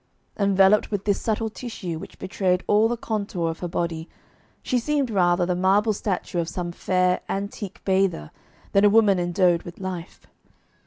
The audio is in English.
Enveloped with this subtle tissue which betrayed all the contour of her body, she seemed rather the marble statue of some fair antique bather than a woman endowed with life.